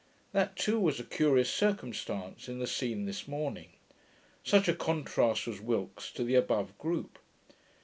That too was a curious circumstance in the scene this morning; such a contrast was Wilkes to the above group.